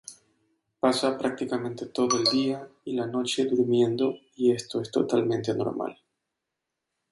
Pasa prácticamente todo el día y la noche durmiendo y esto es totalmente normal.